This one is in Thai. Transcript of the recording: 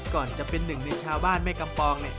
ก่อนจะเป็นหนึ่งในชาวบ้านแม่กำปอง